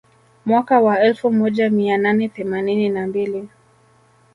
Mwaka wa elfu moja mia nane themanini na mbili